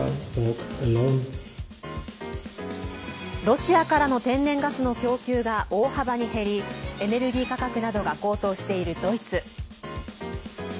ロシアからの天然ガスの供給が大幅に減りエネルギー価格などが高騰しているドイツ。